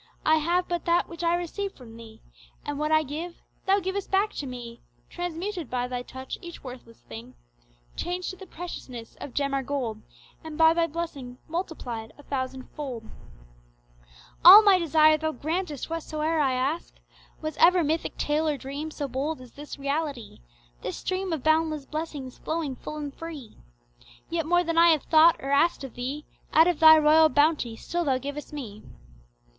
I have but that which I receive from Thee And what I give, Thou givest back to me, Transmuted by Thy touch, each worthless thing Changed to the preciousness of gem or gold, And by thy blessing multiplied a thousand fold All my desire Thou grantest whatsoer I ask! Was ever mythic tale or dream so bold as this reality, This stream of boundless blessings flowing full and free? Yet more than I have thought or asked of Thee Out of Thy royal bounty still Thou givest me.